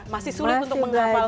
masih sulit untuk menggambal semuanya